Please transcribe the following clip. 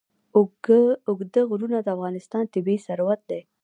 اوږده غرونه د افغانستان طبعي ثروت دی.